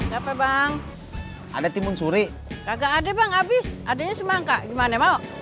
capek bang ada timun suri kagak ada bang abis adanya semangka gimana mau